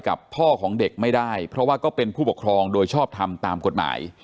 พ่อของเด็กไม่ได้เพราะว่าก็เป็นผู้ปกครองโดยชอบทำตามกฎหมาย